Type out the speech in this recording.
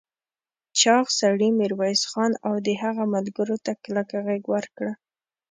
چاغ سړي ميرويس خان او د هغه ملګرو ته کلکه غېږ ورکړه.